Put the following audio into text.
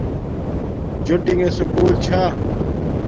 جوٹݣے سکوُل چھا